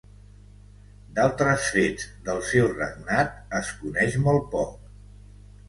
D'altres fets del seu regnat es coneix molt poc.